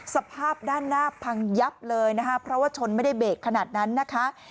สภาพด้านหน้าพังยับเลยนะคะเพราะว่าชนไม่ได้เบรกขนาดนั้นนะคะ